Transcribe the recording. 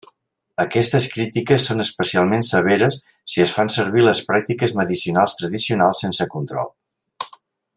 Aquestes crítiques són especialment severes si es fan servir les pràctiques medicinals tradicionals sense control.